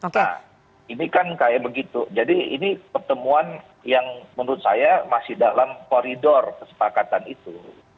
nah ini kan kayak begitu jadi ini pertemuan yang menurut saya masih dalam koridor kesepakatan itu